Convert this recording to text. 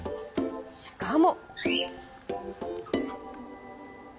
しかも。